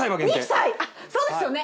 あっそうですよね